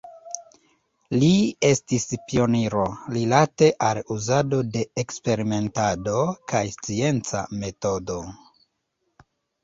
Li estis pioniro rilate al uzado de eksperimentado kaj scienca metodo.